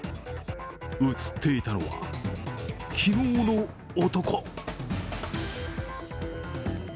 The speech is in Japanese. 映っていたのは、昨日の男。